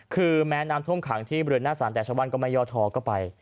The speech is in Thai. คือแม้น้ำท่วมขังที่บริเวณหน้าสารแต่ชาวบ้านก็ไม่ย่อทอก็ไป